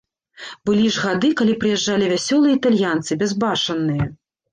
Былі ж гады, калі прыязджалі вясёлыя італьянцы, бязбашанныя.